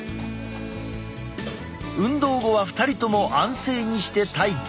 運動後は２人とも安静にして待機。